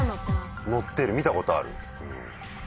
載ってる見たことある。